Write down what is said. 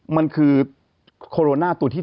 มันคือโคโรนาตัวที่๓